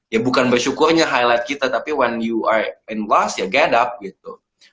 ya bukan bersyukurnya highlight kita tapi when you are in loss ya get up gitu